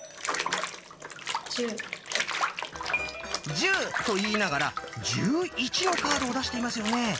「１０」と言いながら「１１」のカードを出していますよね。